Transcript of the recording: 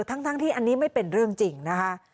ทั้งที่อันนี้ไม่เป็นเรื่องจริงนะคะ